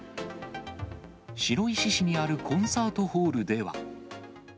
白石市にあるコンサートホールでは。